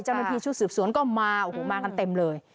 เจ้าหน้าที่ชุดสืบสวนก็มาโอ้โหมากันเต็มเลย